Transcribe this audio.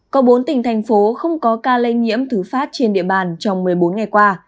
có bốn tỉnh thành phố không có ca lây nhiễm thứ phát trên địa bàn trong một mươi bốn ngày qua